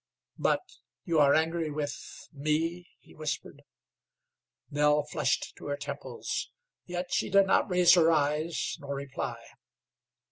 "But you are angry with me?" he whispered. Nell flushed to her temples, yet she did not raise her eyes nor reply.